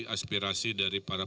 aspirasi dari pemerintah